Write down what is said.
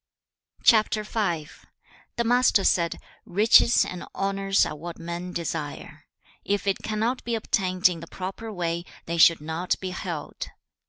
The Master said, 'Riches and honours are what men desire. If it cannot be obtained in the proper way, they should not be held.